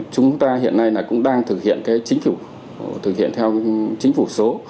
chúng ta hiện nay cũng đang thực hiện cái chính phủ thực hiện theo chính phủ số